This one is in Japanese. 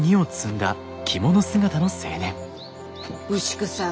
牛久さん